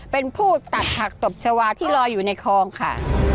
เป็นผู้ตัดผักตบชาวาที่ลอยอยู่ในคลองค่ะ